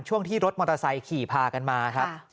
ช่วงที่รถมอเตอร์ไซค์ขี่พากันมาครับ